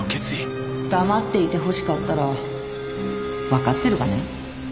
黙っていてほしかったらわかってるわね？